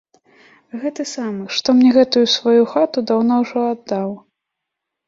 Гэты самы, што мне гэтую сваю хату даўно ўжо аддаў.